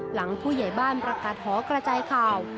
หลังผู้ใหญ่บ้านประกาศหอกระจายข่าว